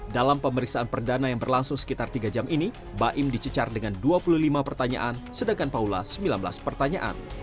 dalam pemeriksaan perdana yang berlangsung sekitar tiga jam ini baim dicecar dengan dua puluh lima pertanyaan sedangkan paula sembilan belas pertanyaan